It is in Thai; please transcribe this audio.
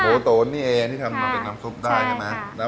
หมูตุ๋นนี่เองที่ทำให้เป็นน้ำซุปได้ใช่ไหมหรือเปล่า